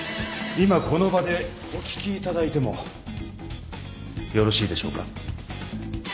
今この場でお聞きいただいてもよろしいでしょうか？